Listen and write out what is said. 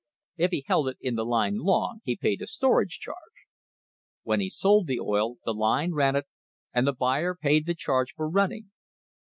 If he held it in the line long he paid a storage charge. When he sold the oil, the line ran it, and the buyer paid the charge for running.